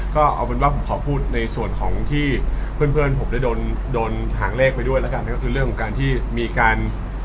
ก็เอาเป็นว่าผมขอพูดในส่วนของที่เพื่อนผมได้โดนหางเลขไปด้วยแล้วกันก็คือเรื่องของการที่มีการ